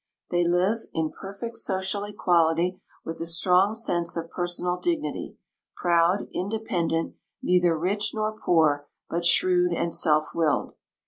They live in perfect social equality, with a strong sense of personal dignity — ])roud, independent, neither rich nor poor, but shrewd and self willed.